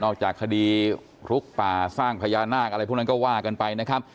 จากคดีลุกป่าสร้างพญานาคอะไรพวกนั้นก็ว่ากันไปนะครับ